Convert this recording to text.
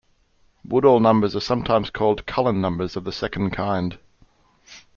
Woodall numbers are sometimes called Cullen numbers of the second kind.